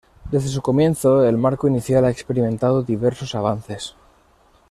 Desde su comienzo, el marco inicial ha experimentado diversos avances.